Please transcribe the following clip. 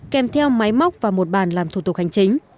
kèm theo máy móc và một bàn làm thủ tục hành chính